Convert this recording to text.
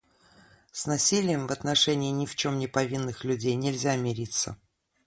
С насилием в отношении ни в чем не повинных людей нельзя мириться.